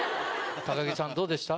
・木さんどうでした？